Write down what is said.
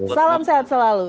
salam sehat selalu